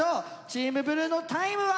チームブルーのタイムは。